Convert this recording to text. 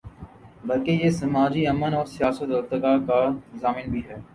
بلکہ یہ سماجی امن اور سیاسی ارتقا کا ضامن بھی ہے۔